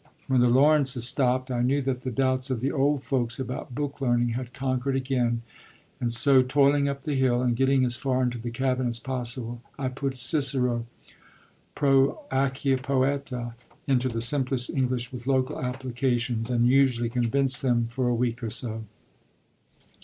When the Lawrences stopped, I knew that the doubts of the old folks about book learning had conquered again, and so, toiling up the hill, and getting as far into the cabin as possible, I put Cicero "pro Archia Poeta" into the simplest English with local applications, and usually convinced them for a week or so.